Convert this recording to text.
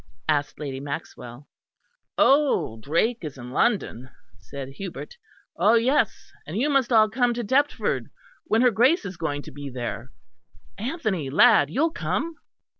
asked Lady Maxwell. "Oh! Drake is in London," said Hubert. "Ah! yes, and you must all come to Deptford when her Grace is going to be there. Anthony, lad, you'll come?"